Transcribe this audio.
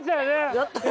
やったよ。